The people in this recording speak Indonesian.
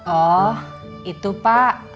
oh itu pa